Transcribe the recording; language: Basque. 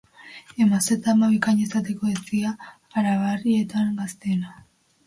Emazte eta ama bikaina izateko hezia aranbarrietan gazteena.